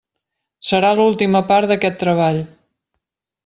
Serà l'última part d'aquest treball.